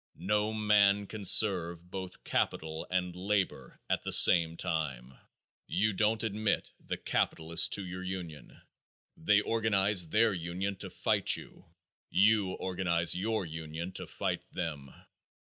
No man can serve both capital and labor at the same time. You don't admit the capitalists to your union. They organize their union to fight you. You organize your union to fight them.